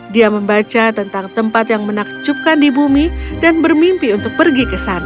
dia membaca tentang tempat yang menakjubkan di bumi dan bermimpi untuk pergi ke sana